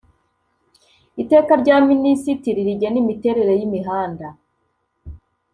iteka rya minisitiri rigena imiterere y’imihanda